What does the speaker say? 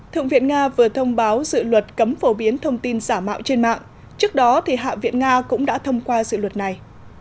thượng viện nga vừa thông báo dự luật cấm phổ biến thông tin giả mạo trên mạng trước đó hạ viện nga cũng đã thông qua dự luật này